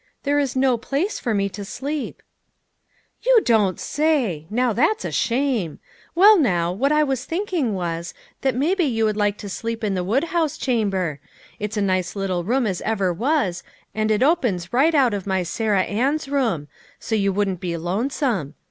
"There is no place for me to sleep." " You don't say ! Now that's a shame. Well, now, what I was thinking was, that maybe you would like to sleep in the woodhouse chamber; NEW FRIENDS. 67 it is a nice little room as ever was, and it opens right out of my Sarah Ann's room ; so you wouldn't be lonesome.